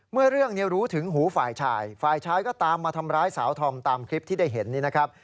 เมื่อเรื่องนี้รู้ถึงหูฝ่ายชายฝ่ายชายก็ตามมาทำร้ายสาวธอมตามคลิปที่ได้เห็นนี่นะครับ